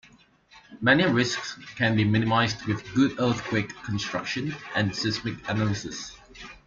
Many risks can be minimized with good earthquake construction, and seismic analysis.